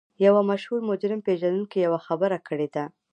یوه مشهور مجرم پېژندونکي یوه خبره کړې ده